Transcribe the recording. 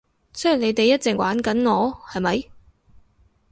即係你哋一直玩緊我，係咪？